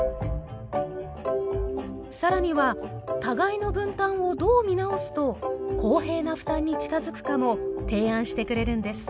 更には互いの分担をどう見直すと公平な負担に近づくかも提案してくれるんです。